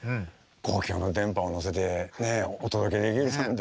公共の電波に乗せてお届けできるなんて。